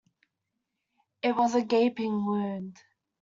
It was a gaping wound.